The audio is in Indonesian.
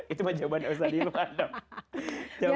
itu mah jawaban yang bisa dihilangkan dong